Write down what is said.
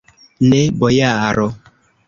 Ne, bojaro!